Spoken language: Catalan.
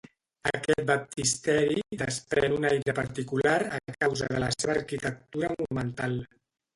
Aquest baptisteri desprèn un aire particular a causa de la seva arquitectura monumental.